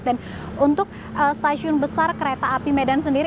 dan untuk stasiun besar kereta api medan sendiri